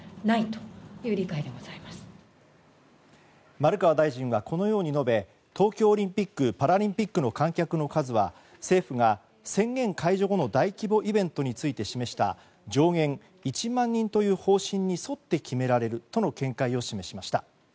丸川大臣はこのように述べ東京オリンピック・パラリンピックの観客の数は政府が宣言解除後の大規模イベントについて示した上限１万人という方針に沿って決められるとの見解を示しました。